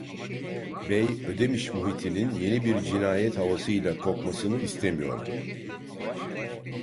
Bey Ödemiş muhitinin yeni bir cinayet havasıyla kokmasını istemiyordu.